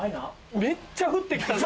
めっちゃ降って来たぞ。